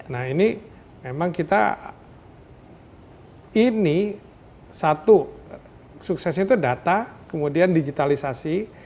nah ini memang kita ini satu suksesnya itu data kemudian digitalisasi